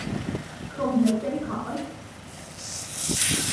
Không thể tránh khỏi